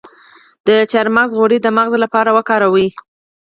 د چارمغز غوړي د مغز لپاره وکاروئ